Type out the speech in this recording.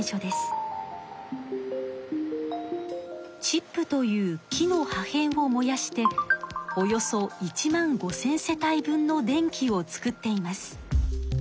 チップという木の破へんを燃やしておよそ１万５，０００世帯分の電気を作っています。